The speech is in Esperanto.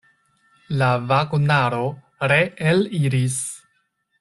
La vagonaro reeliris.